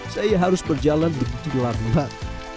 saya harus berjalan begitu lama